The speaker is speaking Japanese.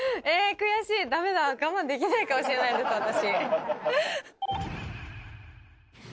悔しい、だめだ、我慢できないかもしれないです、私。